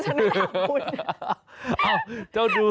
มีอย่างไรบ้างครับ